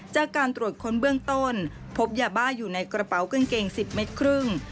จากการตรวจค้นเบื้องต้นพบยาบ้าอยู่ในกระเป๋ากางเกง๑๐เมตรครึ่ง